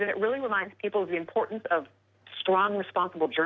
และจำเรื่องที่เราล้วนถ้าเราล้วนไป